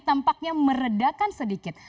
tampaknya meredakan sedikit